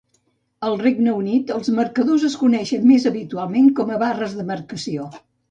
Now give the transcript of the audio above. Al Regne Unit, els marcadors es coneixen més habitualment com a barres de marcació.